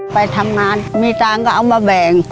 ไปทำงานมีตังค์ก็เอามาแบ่ง